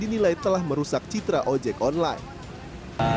dinilai telah merusak citra ojek online